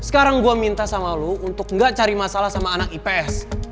sekarang gua minta sama lu untuk gak cari masalah sama anak ips